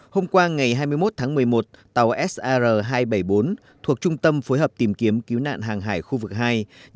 hôm qua ngày hai mươi một tháng một mươi một tàu sar hai trăm bảy mươi bốn thuộc trung tâm phối hợp tìm kiếm cứu nạn hàng hải khu vực hai đã lai dắt tàu dna chín mươi nghìn bảy trăm chín mươi sáu ts